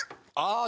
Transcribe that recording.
ああ